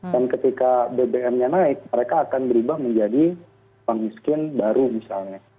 dan ketika bbm nya naik mereka akan beribah menjadi pengiskin baru misalnya